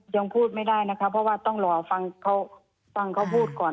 ยังพูดไม่ได้นะคะเพราะว่าต้องรอฟังเขาฟังเขาพูดก่อน